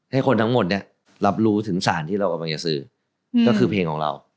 ให้คนทั้งหมดเนี่ยรับรู้ถึงสารที่เรากำลังจะสื่อก็คือเพลงของเรา